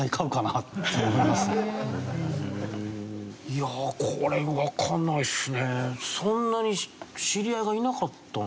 いやあこれわかんないですね。